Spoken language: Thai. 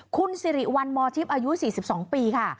คุณสิริวัลมทิพย์อายุ๔๒ปีค่ะ